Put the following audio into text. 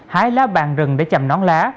hái lá bàn rừng để chầm nón lá